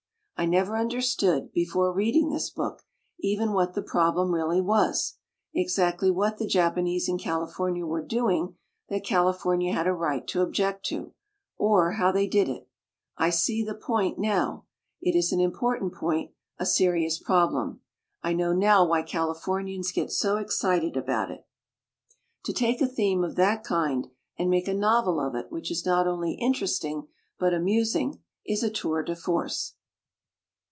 I never un derstood, before reading this book, even what the problem really was, exactly what the Jap anese in California were doing that California had a right to object to, or how they did it. I see the point now. It is an important point, a serious problem. I know now why Califoruians get so excited about it. To take a theme of that kind and make a novel of it which is not only interesting but amusing, is a tour de force.